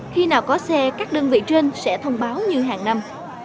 khi nào có xe các đơn vị trên sẽ thông báo như hàng năm